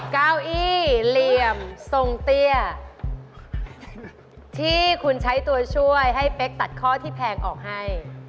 เก้าอี้เหลี่ยมทรงเตี้ยที่คุณใช้ตัวช่วยให้เป๊กตัดข้อที่แพงออกให้